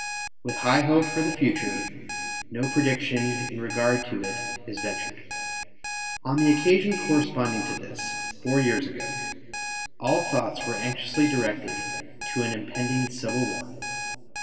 With high hope for the future, no prediction in regard to it is ventured. On the occasion corresponding to this, four years ago, all thoughts were anxiously directed to an impending civil war.